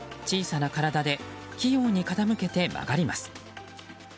小さな体で器用に傾けて曲がります。